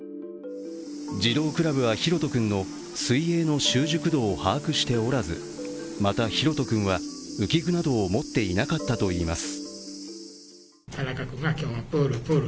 児童クラブは大翔君の水泳の習熟度を把握しておらずまた大翔君は浮き具などを持っていなかったといいます。